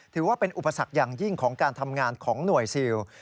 ถือว่าเป็นอุปสรรคอย่างยิ่งของการทำงานของหน่วยซิล